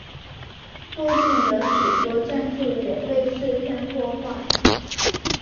附近的许多建筑也被碎片破坏。